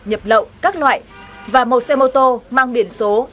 nhập lậu các loại và một xe mô tô mang biển số